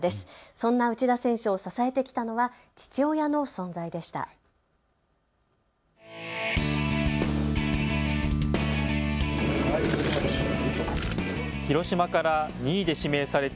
そんな内田選手を支えてきたのは父親の存在でした。